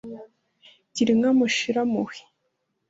gira inka mushira-mpuhwe